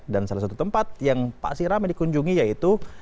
dan salah satu tempat yang pasti ramai dikunjungi yaitu